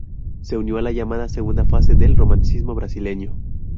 Se unió a la llamada segunda fase del romanticismo brasileño.